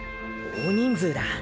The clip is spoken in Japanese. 大人数だ。